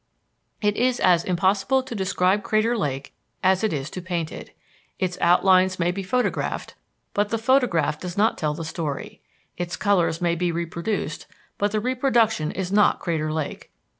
It is as impossible to describe Crater Lake as it is to paint it. Its outlines may be photographed, but the photograph does not tell the story. Its colors may be reproduced, but the reproduction is not Crater Lake.